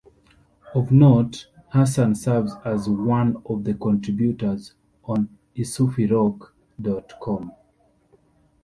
Of note, Hasan serves as one of the contributors on iSufiRock dot com.